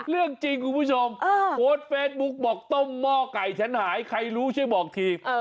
เลือกจริงคุณผู้ชมแล้วมองเฟซบุ๊กบอกต้มหม้อไก่ชั้นหายใครรู้ช้องมาบอกกัน